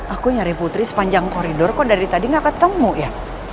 aku nyari putri sepanjang koridor kok dari tadi gak ketemu ya